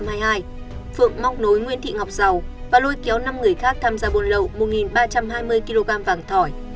phượng mong nối nguyễn thị ngọc giàu và lôi kéo năm người khác tham gia buôn lậu một ba trăm hai mươi kg vàng thỏi